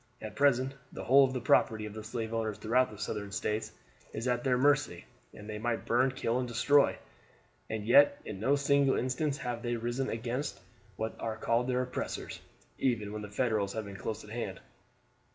At present the whole of the property of the slave owners throughout the Southern States is at their mercy, and they might burn, kill, and destroy; and yet in no single instance have they risen against what are called their oppressors, even when the Federals have been close at hand.